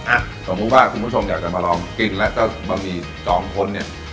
อ่ะสมมุติว่าคุณผู้ชมอยากจะมาลองกินแล้วเจ้าบะหมี่สองคนเนี่ย